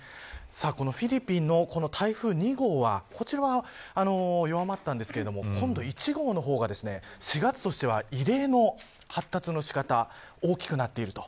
このフィリピンの台風２号は弱まったんですが今度は１号の方が４月としては異例の発達の仕方大きくなっていると。